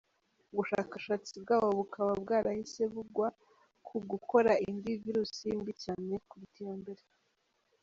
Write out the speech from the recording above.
Ubushakashatsi bwabo bukaba bwarahise bugwa ku gukora indi virusi mbi cyane kuruta iya mbere.